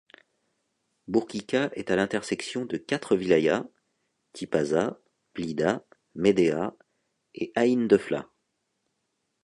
Bourkika est à l'intersection de quatre wilayas : Tipaza, Blida, Médéa et Aïn Defla.